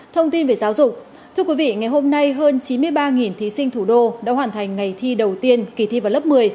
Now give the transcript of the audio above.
thông tin về giáo dục thưa quý vị ngày hôm nay hơn chín mươi ba thí sinh thủ đô đã hoàn thành ngày thi đầu tiên kỳ thi vào lớp một mươi